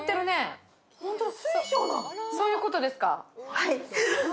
はい。